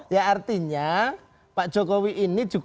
ya artinya pak jokowi ini juga